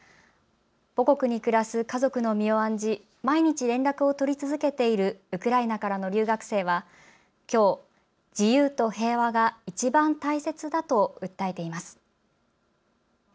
母国に暮らす家族の身を案じ毎日連絡を取り続けているウクライナからの留学生はきょう、自由と平和がいちばん大切だと訴えています。